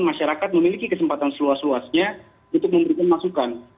masyarakat memiliki kesempatan seluas luasnya untuk memberikan masukan